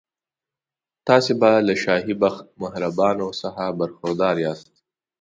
تاسي به له شاهي مهربانیو څخه برخوردار یاست.